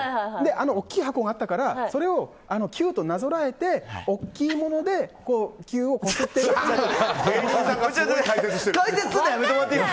大きい箱があったからそれをキューとなぞらえて大きいものでキューをこすってるっていう。